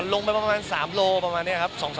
มันลงไปประมาณ๓โลประมาณเนี้ยครับ๒๓โลนะครับ